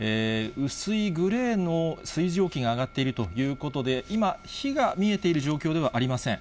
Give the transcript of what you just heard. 薄いグレーの水蒸気が上がっているということで、今、火が見えている状況ではありません。